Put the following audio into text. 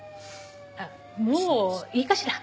もういいかしら？